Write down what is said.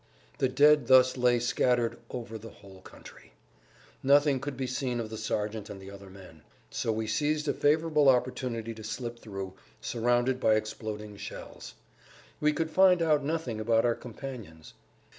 The dead thus lay scattered over the whole country. Nothing could be seen of the sergeant and[Pg 139] the other men. So we seized a favorable opportunity to slip through, surrounded by exploding shells. We could find out nothing about our companions.